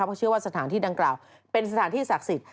เพราะเชื่อว่าสถานที่ดังกล่าวเป็นสถานที่ศักดิ์สิทธิ